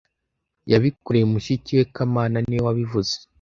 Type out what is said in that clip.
Yabikoreye mushiki we kamana niwe wabivuze